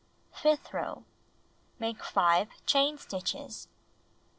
Fifth row: Make 5 chain stitches.